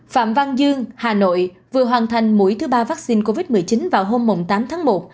phạm văn dương hà nội vừa hoàn thành mũi thứ ba vaccine covid một mươi chín vào hôm tám tháng một